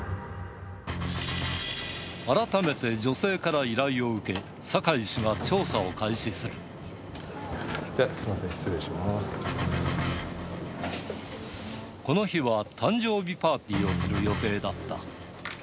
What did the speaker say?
改めて女性から依頼を受け、じゃあ、すみません、失礼しこの日は、誕生日パーティーをする予定だった。